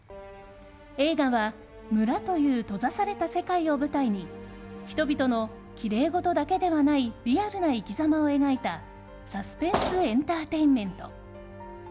映画は、村という閉ざされた世界を舞台に人々の、きれいごとだけではないリアルな生きざまを描いたサスペンスエンターテインメント。